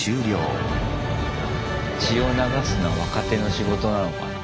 血を流すのは若手の仕事なのかな。